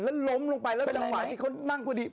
แล้วล้มลงไปแล้วจังหวะที่เขานั่งพอดี